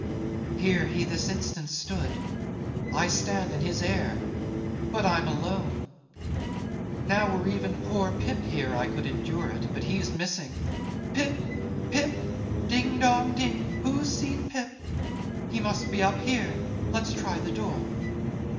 _) "Here he this instant stood; I stand in his air,—but I'm alone. Now were even poor Pip here I could endure it, but he's missing. Pip! Pip! Ding, dong, ding! Who's seen Pip? He must be up here; let's try the door.